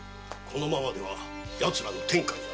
このままではヤツらの天下に。